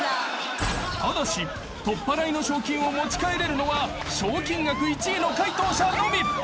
［ただし取っ払いの賞金を持ち帰れるのは賞金額１位の解答者のみ］